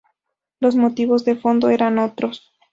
Los motivos de fondo eran otros.